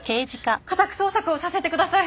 家宅捜索をさせてください！